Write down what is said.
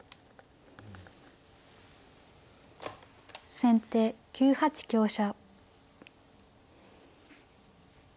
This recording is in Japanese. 先手９八香車。